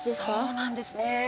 そうなんですね。